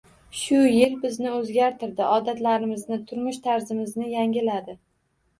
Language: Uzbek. Shu yil bizni oʻzgartirdi — odatlarimizni, turmush tarzimizni yangiladi.